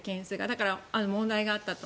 だから問題があったと。